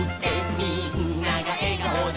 「みんながえがおで」